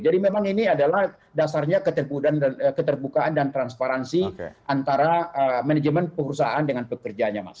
jadi memang ini adalah dasarnya keterbukaan dan transparansi antara manajemen perusahaan dengan pekerjanya mas